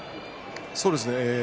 そうですね。